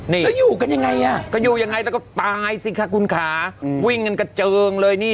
นี่แล้วอยู่กันยังไงอ่ะก็อยู่ยังไงแล้วก็ตายสิคะคุณค่ะวิ่งกันกระเจิงเลยนี่